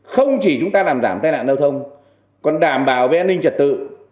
không chỉ chúng ta làm giảm tài nạn giao thông còn đảm bảo vệ an ninh trật tự